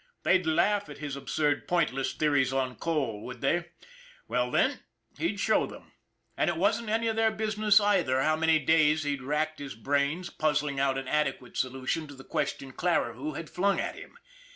They'd laugh at his absurd, pointless theories on coal, would they? Well then, he'd show them! And it wasn't any of their business, either, how many days he'd racked his brains, puzzling out an adequate solution to the question Clarihue had flung at him!